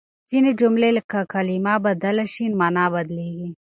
ځينې جملې که کلمه بدله شي، مانا بدلېږي.